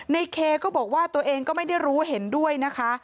เคก็บอกว่าตัวเองก็ไม่ได้รู้เห็นด้วยนะคะ